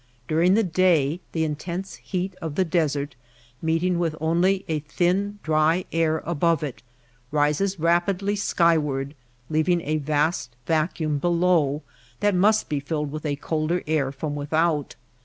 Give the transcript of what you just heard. During the day the intense heat of the desert, meeting with only a thin dry air above it, rises rapidly sky ward leaving a vast vacuum below that must be filled with a colder air from without.